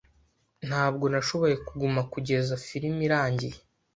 Ntabwo nashoboye kuguma kugeza firime irangiye.